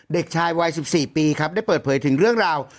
เด็กชายวัย๑๔ปีครับได้เปิดเผยถึงเรื่องราว